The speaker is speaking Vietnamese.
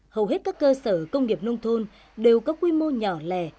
hầu hết các cơ sở công nghiệp nông thôn đều có quy mô nhỏ lẻ